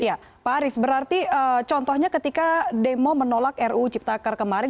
ya pak aris berarti contohnya ketika demo menolak ruu ciptaker kemarin